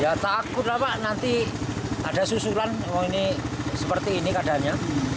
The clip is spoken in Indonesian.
ya takut lah pak nanti ada susulan oh ini seperti ini keadaannya